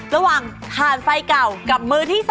ระหว่างทานไฟเก่ากับมือที่๓